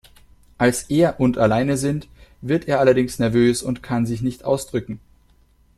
Als er und alleine sind, wird er allerdings nervös und kann sich nicht ausdrücken.